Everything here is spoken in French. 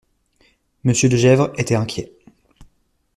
Monsieur de Gesvres était inquiet.